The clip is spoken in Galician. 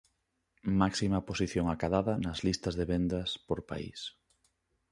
Máxima posición acadada nas listas de vendas por país